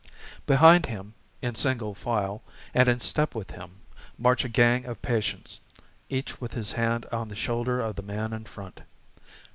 Behind him, in single file, and in step with him, march a gang of patients each with his hand on the shoulder of the man in front.